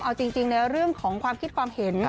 เอาจริงในเรื่องของความคิดความเห็น